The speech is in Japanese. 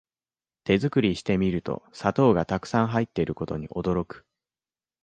手作りしてみると砂糖がたくさん入ってることに驚く